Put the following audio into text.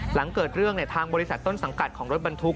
หลังเกิดเรื่องทางบริษัทต้นสังกัดของรถบรรทุก